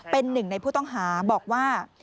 เป็นหนึ่งในผู้ต้องหาบอกว่า